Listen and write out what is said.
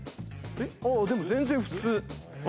あぁでも全然普通。